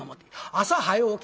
朝早う起き